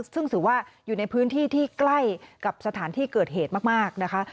ซึ่งถือว่าอยู่ในพื้นที่ที่ใกล้กับสถานที่เกิดเหตุมากนะคะ